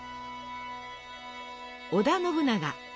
織田信長